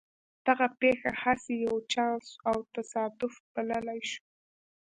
دغه پېښه هسې يو چانس او تصادف بللای شو.